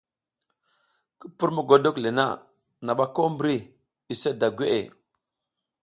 Ki pur mogodok le na, naɓa ko mbri use da gweʼe.